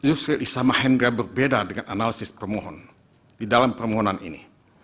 yusril isamahendra berbeda dengan analisis permohon di dalam permohonan ini